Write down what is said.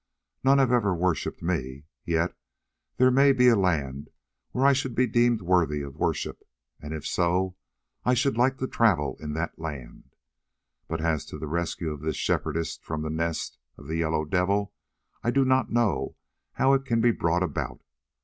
None have ever worshipped me, yet there may be a land where I should be deemed worthy of worship, and if so I should like to travel in that land. But as to the rescue of this Shepherdess from the Nest of the Yellow Devil, I do not know how it can be brought about.